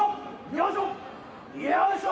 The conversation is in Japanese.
よいしょ！